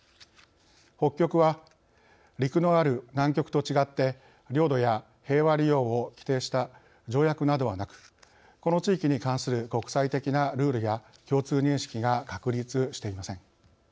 北極は、陸のある南極と違って領土や平和利用を規定した条約などはなくこの地域に関する国際的なルールや共通認識が確立していません。